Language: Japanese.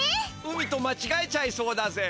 海とまちがえちゃいそうだぜ。